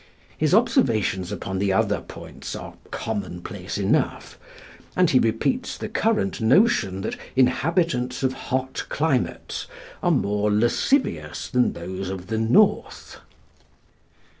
His observations upon the other points are commonplace enough; and he repeats the current notion that inhabitants of hot climates are more lascivious than those of the North.